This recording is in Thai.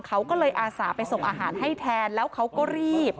เขาก็เลยอาสาไปส่งอาหารให้แทนแล้วเขาก็รีบ